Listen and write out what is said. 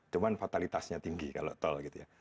cuma fatalitasnya tinggi kalau tol gitu ya